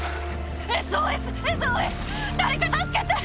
ＳＯＳＳＯＳ誰か助けて！